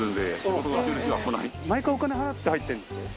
毎回お金払って入ってるんですか？